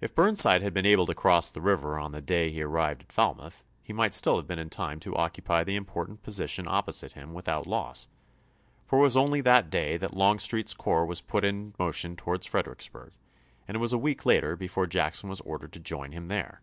If Burnside had been able to cross the river on the day he arrived at Falmouth he might still have been in time to occupy the important position opposite him without loss, for it was only that day that Longstreet's corps was put in motion towards Fredericksburg and it was a week later before Jackson was ordered to join him there.